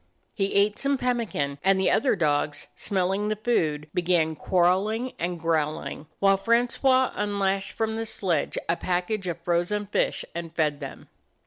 He ate some pemmi can; and the other dogs, smelling the food, began quarreling and growling, while Francois unlashed from the sledge a package of frozen fish and fed them.